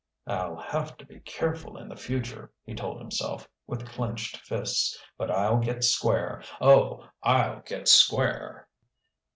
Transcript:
"I'll have to be careful in the future," he told himself, with clenched fists. "But I'll get square oh, I'll get square!"